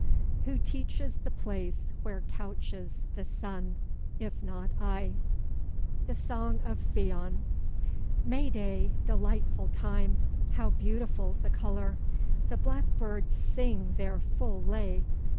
Who teaches the place where couches the sun [if not I]? THE SONG OF FIONN May day, delightful time! How beautiful the color! The blackbirds sing their full lay.